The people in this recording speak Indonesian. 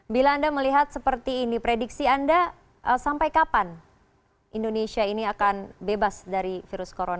bila anda melihat seperti ini prediksi anda sampai kapan indonesia ini akan bebas dari virus corona